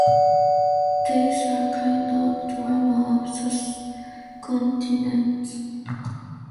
They saw a kind of drama of the continents.